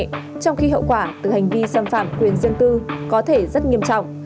trong khi hậu quả từ hành vi xâm phạm quyền dân tư có thể rất nghiêm trọng